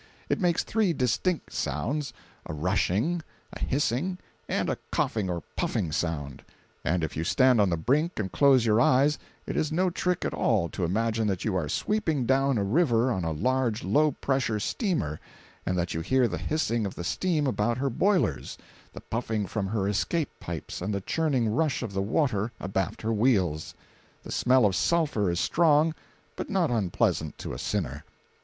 It makes three distinct sounds—a rushing, a hissing, and a coughing or puffing sound; and if you stand on the brink and close your eyes it is no trick at all to imagine that you are sweeping down a river on a large low pressure steamer, and that you hear the hissing of the steam about her boilers, the puffing from her escape pipes and the churning rush of the water abaft her wheels. The smell of sulphur is strong, but not unpleasant to a sinner.